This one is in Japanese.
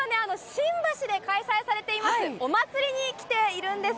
新橋で開催されています、お祭りに来ているんです。